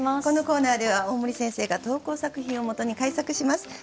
このコーナーでは大森先生が投稿作品を元に改作します。